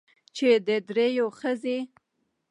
چې د درېو ښځې